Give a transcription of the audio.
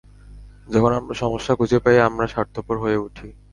যখন আমরা সমস্যা খুঁজে পাই, আমরা স্বার্থপর হয়ে উঠি।